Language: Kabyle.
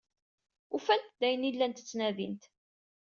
Ufant-d ayen ay llant ttnadint.